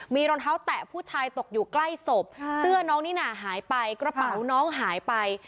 มีรองเท้าแตะผู้ชายตกอยู่ใกล้ศพเสื้อน้องนิน่าหายไปกระเป๋าน้องหายไป